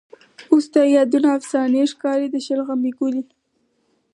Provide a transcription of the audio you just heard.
اوس د یادونه افسانې ښکاري. د شلغمې ګله